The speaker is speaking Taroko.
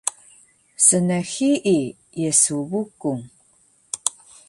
Snhii Yesu Bukung